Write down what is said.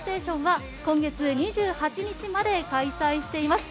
今月２８日まで開催しています。